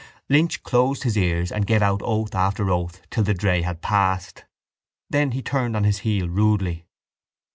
Lynch closed his ears and gave out oath after oath till the dray had passed. Then he turned on his heel rudely.